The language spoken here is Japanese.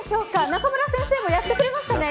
中村先生もやってくれましたね